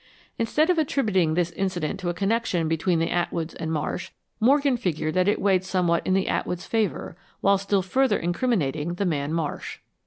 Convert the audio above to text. Instead of attributing this incident to a connection between the Atwoods and Marsh, Morgan figured that it weighed somewhat in the Atwoods' favor, while still further incriminating the man Marsh.